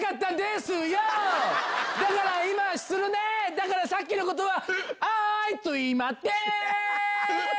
だからさっきのことは。